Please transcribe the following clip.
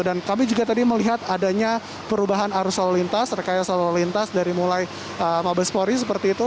dan kami juga tadi melihat adanya perubahan arus lalu lintas rekaya lalu lintas dari mulai mabespori seperti itu